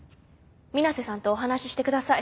皆瀬さんとお話しして下さい。